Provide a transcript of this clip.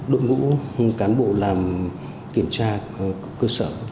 đội ngũ cán bộ làm kiểm tra cơ sở